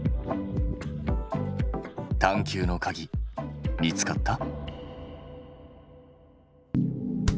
探究のかぎ見つかった？